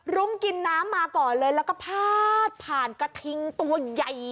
รุ้งกินน้ำมาก่อนเลยแล้วก็พาดผ่านกระทิงตัวใหญ่